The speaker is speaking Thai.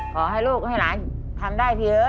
ขอให้ลูกให้หลานทำได้ทีเถอะ